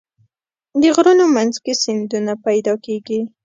د غرونو منځ کې سیندونه پیدا کېږي.